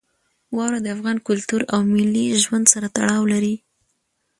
واوره د افغان کلتور او ملي ژوند سره تړاو لري.